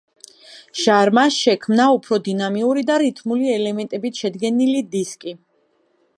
ჟარმა შექმნა უფრო დინამიური და რითმული ელემენტებით შედგენილი დისკი.